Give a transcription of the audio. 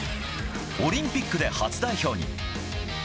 オリンピックで初代表に。